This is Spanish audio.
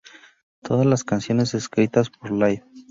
Todas las canciones escritas por Live.